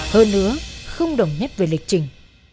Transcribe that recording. hơn nữa không đồng nhất về lịch trình